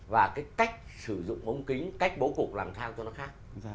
và cái cách sử dụng mông kính cách bố cục làm thang cho nó khác